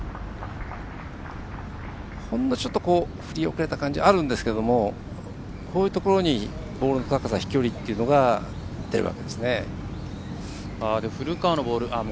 ほんのちょっと振り遅れた感じがあるんですけどこういうところにボールの高さ飛距離というのが出るんですね。